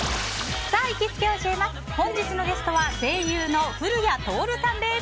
本日のゲストは声優の古谷徹さんです。